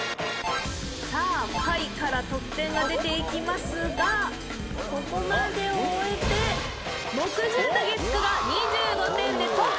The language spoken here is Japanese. さあ下位から得点が出ていきますがここまで終えて木１０と月９が２５点でトップです。